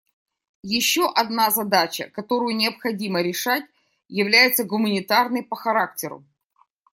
Еще одна задача, которую необходимо решать, является гуманитарной по характеру.